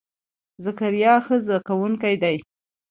ذکریا ښه زده کونکی دی.